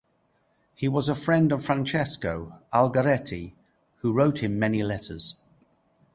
He was a friend of Francesco Algarotti, who wrote him many letters.